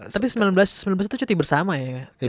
tapi sembilan belas itu cuti bersama ya